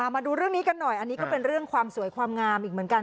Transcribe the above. มาดูเรื่องนี้กันหน่อยอันนี้ก็เป็นเรื่องความสวยความงามอีกเหมือนกัน